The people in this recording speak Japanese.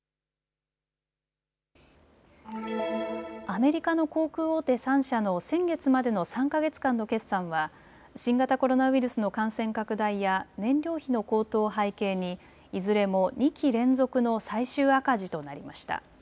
アメリカの航空大手３社の先月までの３か月間の決算は新型コロナウイルスの感染拡大や燃料費の高騰を背景にいずれも２期連続の最終赤字となりました。